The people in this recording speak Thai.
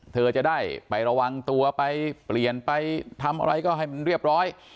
เธอจะได้ไประวังตัวไปเปลี่ยนไปทำอะไรก็ให้มันเรียบร้อย